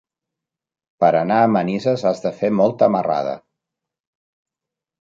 Per anar a Manises has de fer molta marrada.